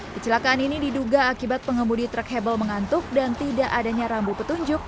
kecelakaan ini diduga akibat pengemudi truk hebel mengantuk dan tidak adanya rambu petunjuk